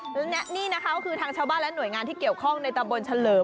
และนี่นะคะก็คือทางชาวบ้านและหน่วยงานที่เกี่ยวข้องในตำบลเฉลิม